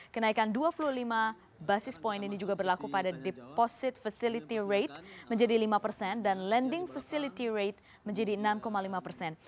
kenaikan dua puluh lima basis point ini juga berlaku pada deposit facility rate menjadi lima persen dan lending facility rate menjadi enam lima persen